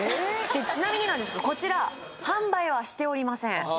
ちなみになんですがこちら販売はしておりませんあ